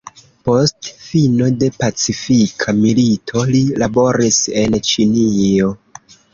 Post fino de Pacifika Milito, li laboris en Ĉinio.